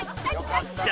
よっしゃ！